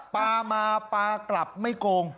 ปลามาปลากลับไม่โกง